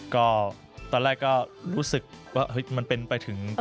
ก็ตอนแรกก็รู้สึกว่ามันเป็นไปถึง